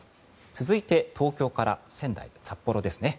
続いて、東京から仙台、札幌ですね。